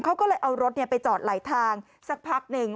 เขาก็เลยเอารถไปจอดไหลทางสักพักหนึ่ง